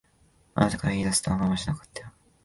あなたから言い出すとは思いもしなかったよ。